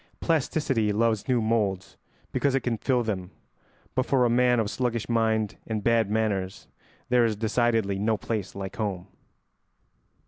Plasticity loves new moulds because it can fill them, but for a man of sluggish mind and bad manners there is decidedly no place like home.